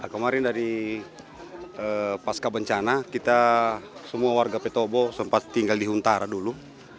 kemarin dari pasca bencana kita semua warga petobo sempat tinggal di huntara dulu